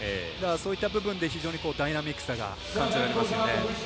そういった部分で非常にダイナミックさが感じられますよね。